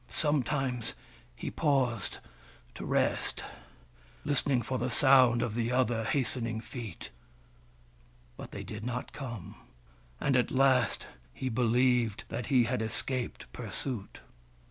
Sometimes he paused to rest, listening for the sound of the other hastening feet — but they did not come, and at last he believed that he had escaped pursuit.